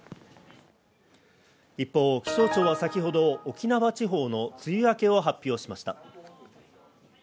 一方、気象庁は先ほど沖縄地方の梅雨明けを発表しました。